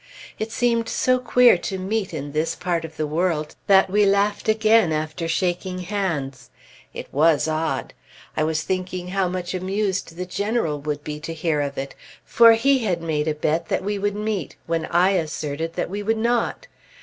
It seemed so queer to meet in this part of the world that we laughed again after shaking hands. It was odd. I was thinking how much amused the General would be to hear of it; for he had made a bet that we would meet when I asserted that we would not.